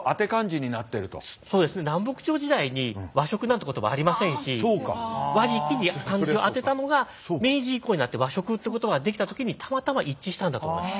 そうですね南北朝時代に「和食」なんて言葉ありませんし「わじき」に漢字を当てたのが明治以降になって「和食」って言葉ができた時にたまたま一致したんだと思います。